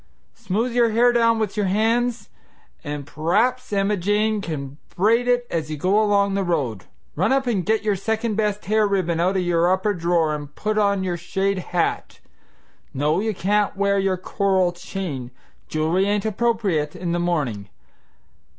Smooth your hair down with your hands an' p'r'aps Emma Jane can braid it as you go along the road. Run up and get your second best hair ribbon out o' your upper drawer and put on your shade hat. No, you can't wear your coral chain jewelry ain't appropriate in the morning.